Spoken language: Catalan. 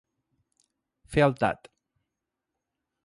Fer el tat.